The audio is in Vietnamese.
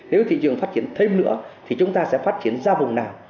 nếu thị trường phát triển thêm nữa thì chúng ta sẽ phát triển ra vùng nào